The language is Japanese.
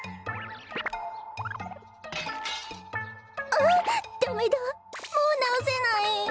あっダメだもうなおせない。